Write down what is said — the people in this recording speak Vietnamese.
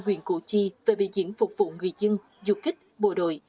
huyện củ chi về biểu diễn phục vụ người dân du kích bộ đội